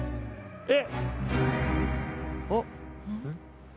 えっ？